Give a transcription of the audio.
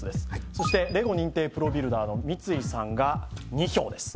そしてレゴ認定プロビルダーの三井さんが２票です